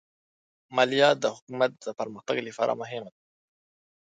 مالیه د حکومت د پرمختګ لپاره مهمه ده.